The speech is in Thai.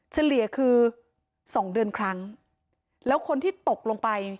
เฉลี่ยคือสองเดือนครั้งแล้วคนที่ตกลงไป